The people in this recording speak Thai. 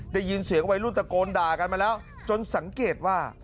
ได้ยินเสียงวัยรุ่นตะโกนด่ากันมาแล้วจนสังเกตว่า